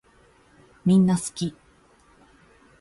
みんなすき